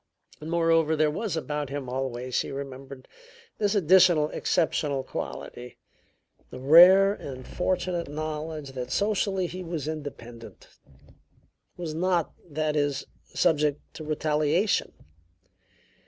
Moreover, there was about him always, she remembered, this additional exceptional quality: the rare and fortunate knowledge that socially he was independent; was not, that is, subject to retaliation.